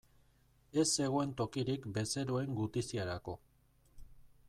Ez zegoen tokirik bezeroen gutiziarako.